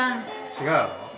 違うの？